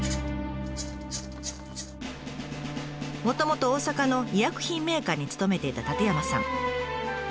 もともと大阪の医薬品メーカーに勤めていた舘山さん。